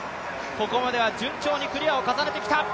ここまでは順調にクリアを重ねてきた。